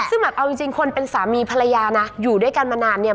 ซึ่งแบบเอาจริงคนเป็นสามีภรรยานะอยู่ด้วยกันมานานเนี่ย